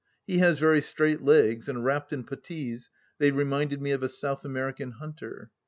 He has very straight legs, and wrapped in puttees they reminded me of a South American hunter.